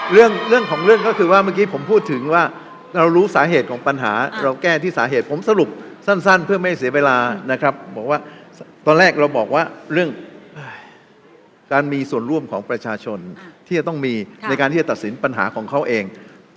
เรื่องของเรื่องก็คือว่าเมื่อกี้ผมพูดถึงว่าเรารู้สาเหตุของปัญหาเราแก้ที่สาเหตุผมสรุปสั้นเพื่อไม่เสียเวลานะครับบอกว่าตอนแรกเราบอกว่าเรื่องการมีส่วนร่วมของประชาชนที่จะต้องมีในการที่จะตัดสินปัญหาของเขาเอง